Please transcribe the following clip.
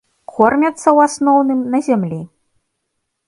Кормяцца, у асноўным, на зямлі.